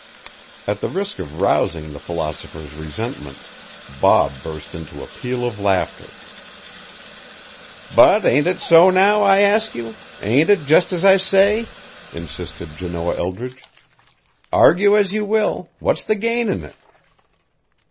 At the risk of rousing the philosopher's resentment, Bob burst into a peal of laughter. "But ain't it so now, I ask you? Ain't it just as I say?" insisted Janoah Eldridge. "Argue as you will, what's the gain in it?"